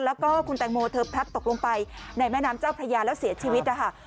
แล้วก็คุณแตงโมเธอพลัดตกลงไปในแม่น้ำเจ้าพระยาแล้วเสียชีวิตนะคะ